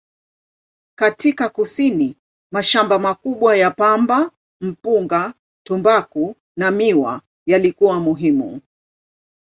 Katika kusini, mashamba makubwa ya pamba, mpunga, tumbaku na miwa yalikuwa muhimu.